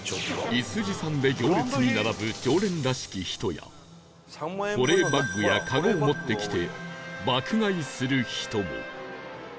イス持参で行列に並ぶ常連らしき人や保冷バッグやカゴを持ってきて爆買いする人も